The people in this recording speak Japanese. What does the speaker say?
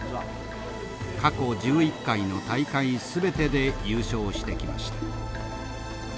過去１１回の大会全てで優勝してきました。